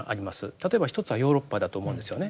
例えば一つはヨーロッパだと思うんですよね。